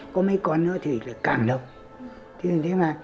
có mấy con nữa thì càng đông